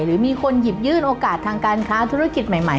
หรือมีคนหยิบยื่นโอกาสทางการค้าธุรกิจใหม่